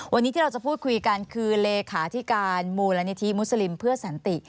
วันนี้ที่เราจะพูดคุยกันคือเลขาธิการมูลนิธิมุสลิมเพื่อสันติ